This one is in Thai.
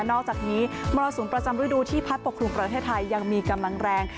อกจากนี้มรสุมประจำฤดูที่พัดปกครุมประเทศไทยยังมีกำลังแรง